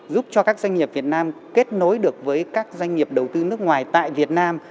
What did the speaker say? giúp cho các doanh nghiệp việt nam kết nối được với các doanh nghiệp đầu tư nước ngoài tại việt nam